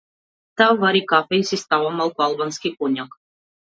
Таа вари кафе и си става малку албански коњак.